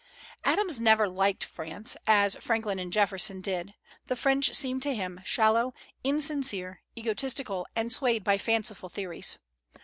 Adams never liked France, as Franklin and Jefferson did. The French seemed to him shallow, insincere, egotistical, and swayed by fanciful theories.